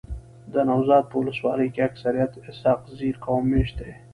دنوزاد په ولسوالۍ کي اکثريت اسحق زی قوم میشت دی.